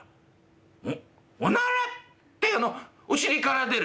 「おっおなら？ってあのお尻から出る？」。